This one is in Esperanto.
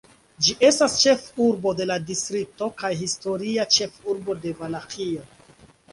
Ĝi estas ĉefurbo de la distrikto kaj historia ĉefurbo de Valaĥio.